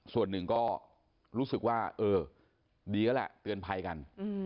ส่วนหนึ่งก็รู้สึกว่าเออดีแล้วแหละเตือนภัยกัน